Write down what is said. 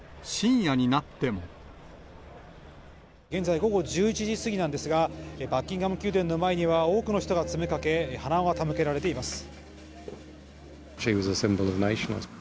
現在、午後１１時過ぎなんですが、バッキンガム宮殿の前には多くの人が詰めかけ、花が手向けられています。